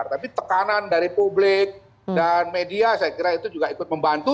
tapi tekanan dari publik dan media saya kira itu juga ikut membantu